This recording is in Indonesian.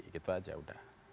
gitu aja udah